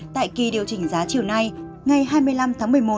tại kỳ điều chỉnh giá chiều nay ngày hai mươi năm tháng một mươi một